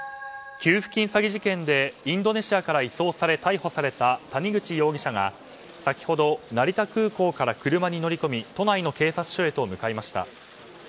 給付金詐欺事件でインドネシアから移送され逮捕された谷口容疑者が先ほど成田空港から車に乗り込み都内の警察署へと向かいました。